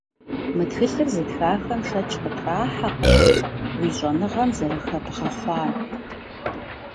Мы тхылъыр зытхахэм шэч къытрахьэкъым уи щӀэныгъэм зэрыхэбгъэхъуам.